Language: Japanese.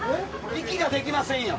息ができませんよ。